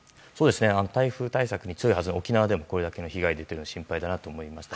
台風対策に強い沖縄でこれだけ被害が出てるのは心配だなと思いました。